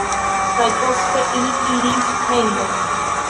Kaj poste ili iris hejmen.